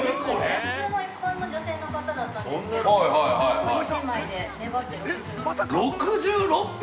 ◆普通の一般の女性の方だったんですけどポイ１枚で粘って６６匹。